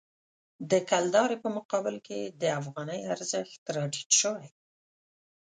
د کلدارې په مقابل کې د افغانۍ ارزښت راټیټ شوی.